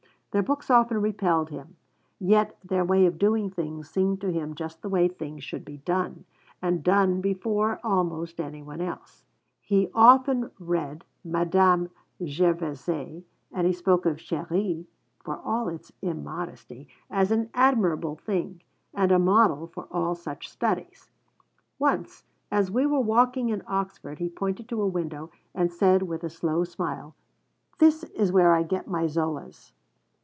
Their books often repelled him, yet their way of doing things seemed to him just the way things should be done; and done before almost any one else. He often read Madame Gervaisais, and he spoke of Chérie (for all its 'immodesty') as an admirable thing, and a model for all such studies. Once, as we were walking in Oxford, he pointed to a window and said, with a slow smile: 'That is where I get my Zolas.'